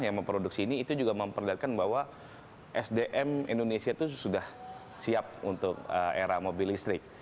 yang memproduksi ini itu juga memperlihatkan bahwa sdm indonesia itu sudah siap untuk era mobil listrik